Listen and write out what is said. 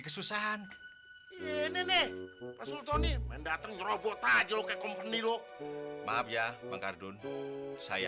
kesusahan ini nih pasul tony mendatang robot aja lo ke komponi lo maaf ya mengardun saya